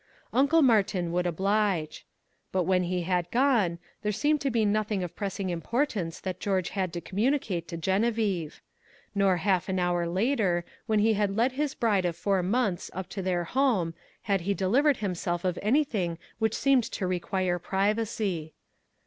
Uncle Martin would oblige. But when he had gone, there seemed to be nothing of pressing importance that George had to communicate to Geneviève. Nor half an hour later, when he led his bride of four months up to their home, had he delivered himself of anything which seemed to require privacy.